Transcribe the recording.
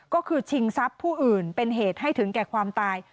ก็คือชิงทรัพย์ผู้อื่นเป็นเหตุให้ถึงแก่ความตาย